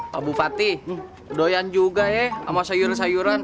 pak bupati doyan juga ya sama sayuran sayuran